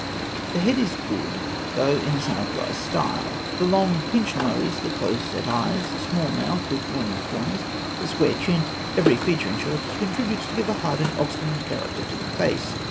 The head is good, though in a somewhat dry style. The long, pinched nose, the close set eyes, the small mouth with drawn in corners, the square chin, every feature, in short, contributes to give a hard and obstinate character to the face.